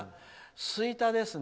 吹田ですね。